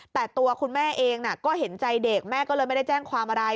แต่ตัวคุณแม่เองก็เห็นใจเด็กแม่ก็เลยไม่ได้แจ้งความอะไร